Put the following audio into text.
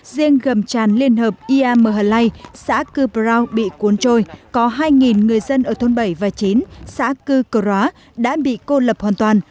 riêng ngầm tràn liên hợp ia m h lai xã cư brau bị cuốn trôi có hai người dân ở thôn bảy và chín xã cư cơ róa đã bị cô lập hoàn toàn